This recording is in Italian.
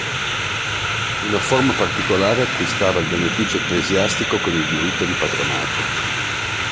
Una forma particolare acquistava il beneficio ecclesiastico con il diritto di patronato.